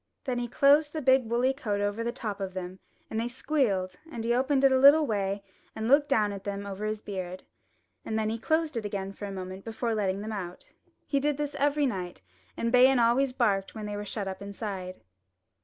Then he closed the big woolly coat over the top of them and they squealed; and he opened it a little way and looked down at them over his beard, and then closed it again for a moment before letting them out. He did this every night, and Bayan always barked when they were shut up inside.